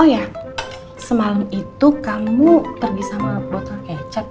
oh ya semalam itu kamu pergi sama botol kecap